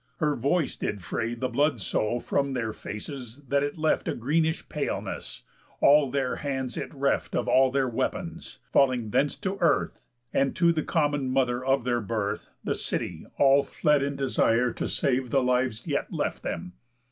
Her voice did fray The blood so from their faces that it left A greenish paleness; all their hands it reft Of all their weapons, falling thence to earth; And to the common mother of their birth, The city, all fled, in desire to save The lives yet left them.